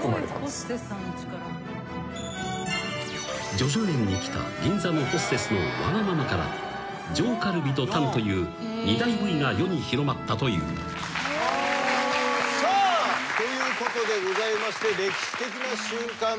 ［叙々苑に来た銀座のホステスのわがままから上カルビとタンという二大部位が世に広まったという］さあということで歴史的な瞬間でございました。